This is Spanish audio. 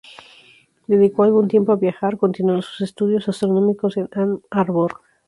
Dedicó algún tiempo a viajar, continuando sus estudios astronómicos en Ann Arbor.